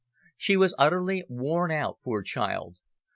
She was utterly worn out, poor child.